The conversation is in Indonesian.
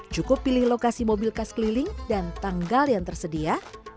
cukup pilih lokasi mobil khas keliling dan tanggal yang tersedia